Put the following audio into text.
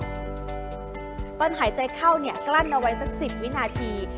ตอนหายใจเข้าเนี่ยกลั้นเอาไว้สัก๑๐วินาที